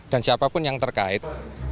dan siapapun yang terkait